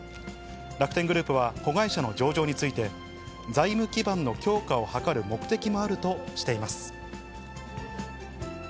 楽天グループは子会社の上場について、財務基盤の強化を図る目的もあるとしています。